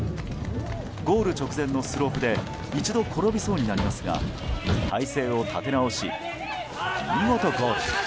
ゴール直前のスロープで一度、転びそうになりますが体勢を立て直し、見事ゴール。